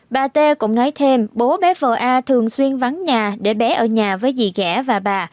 bà t cũng nói thêm bố bé vợ a thường xuyên vắng nhà để bé ở nhà với dì gã và bà